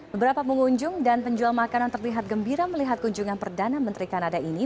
beberapa pengunjung dan penjual makanan terlihat gembira melihat kunjungan perdana menteri kanada ini